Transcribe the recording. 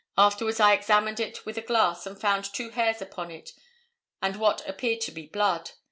Afterwards I examined it with a glass and found two hairs upon it and what appeared to be blood.